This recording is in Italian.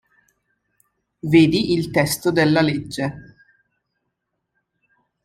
Vedi il testo della legge.